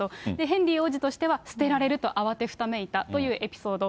ヘンリー王子としては捨てられると慌てふためいたというエピソード。